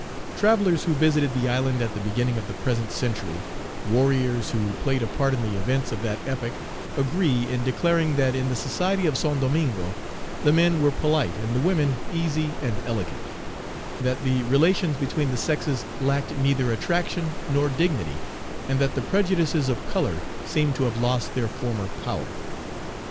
Travellers who visited the island at the beginning of the present century, warriors who played a part in the events of that epoch, agree in declaring that in the society of Saint Domingo the men were polite and the women easy and elegant; that the relations between the sexes lacked neither attraction nor dignity, and that the prejudices of color seem to have lost their former power.